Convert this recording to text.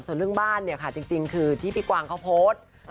ส่วนเรื่องบ้านจริงคือที่ปิกวางเขาโพสต์